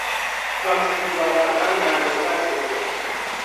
تاکسی گیر آوردن دردسر شده است.